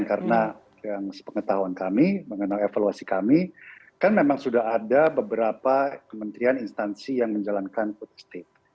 karena yang pengetahuan kami mengenal evaluasi kami kan memang sudah ada beberapa kementerian instansi yang menjalankan putus state